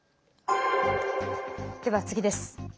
では、次です。